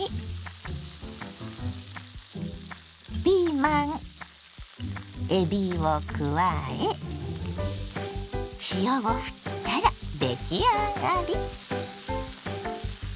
ピーマンえびを加え塩をふったら出来上がり。